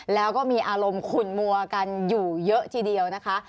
แล้วก็มีอารมณ์ขุนมัวกันอยู่เยอะทีเดียวนะคะ